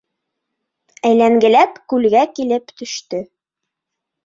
Әйләнгеләп күлгә килеп төштө.